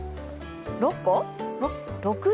６個？